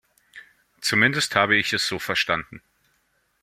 Zumindest habe ich es so verstanden.